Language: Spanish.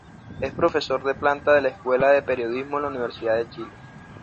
Es profesor de planta de la Escuela de Periodismo de la Universidad de Chile.